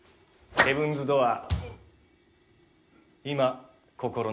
ヘブンズ・ドアー。